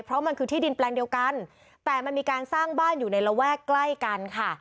เพราะมันคือที่ดินแปลงเดียวกันแต่มันมีการสร้างบ้านอยู่ในระแวกใกล้กันค่ะ